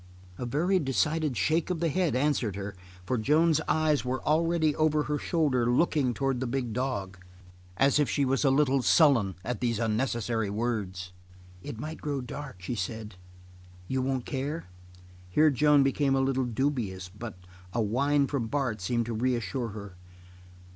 A very decided shake of the head answered her, for Joan's eyes were already over her shoulder looking towards the big dog. And she was a little sullen at these unnecessary words. "It might grow dark," she said. "You wouldn't care?" Here Joan became a little dubious, but a whine from Bart seemed to reassure her.